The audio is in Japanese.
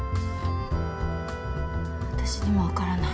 私にもわからない。